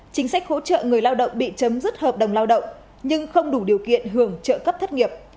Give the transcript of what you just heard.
chính sách hỗ trợ người lao động bị chấm dứt hợp đồng lao động nhưng không đủ điều kiện hưởng trợ cấp thất nghiệp